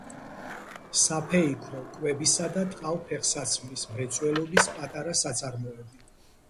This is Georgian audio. საფეიქრო, კვებისა და ტყავ-ფეხსაცმლის მრეწველობის პატარა საწარმოები.